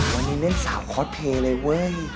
วันนี้เล่นสาวคอสเพลย์เลยเว้ย